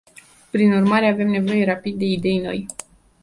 Prin urmare, avem nevoie rapid de idei noi.